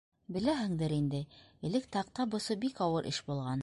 Беләһеңдер инде, элек таҡта бысыу бик ауыр эш булған.